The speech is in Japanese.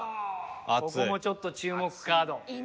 ここもちょっと注目カード。